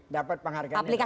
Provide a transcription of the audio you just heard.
dapat penghargaan internasional